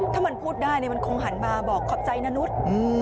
ถ้ามันพูดได้มันคงหันมาบอกขอบใจนานุษย์